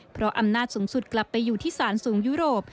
เพราะอำนาจสูงสุดกลับไปอยู่ที่สารสูงยุโรป